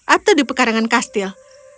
atau di pekarangan kastil